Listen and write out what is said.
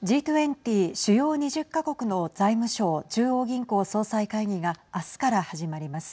Ｇ２０＝主要２０か国の財務相・中央銀行総裁会議があすから始まります。